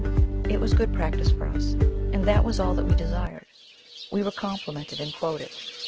It was good practice for us, and that was all that we desired. We were complimented and quoted.